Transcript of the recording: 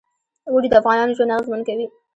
اوړي د افغانانو ژوند اغېزمن کوي.